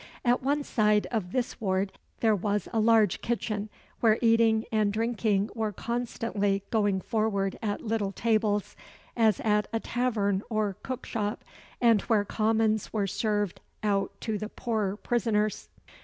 At one side of this ward there was a large kitchen, where eating and drinking were constantly going forward at little tables, as at a tavern or cookshop, and where commons were served out to the poorer prisoners.